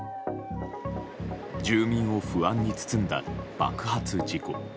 住民を不安に包んだ爆発事故。